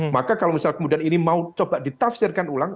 maka kalau misal kemudian ini mau coba ditafsirkan ulang